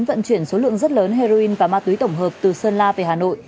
vận chuyển số lượng rất lớn heroin và ma túy tổng hợp từ sơn la về hà nội